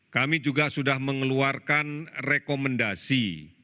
kami juga sudah mengeluarkan rekomendasi